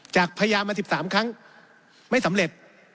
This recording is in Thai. พยายามมา๑๓ครั้งไม่สำเร็จ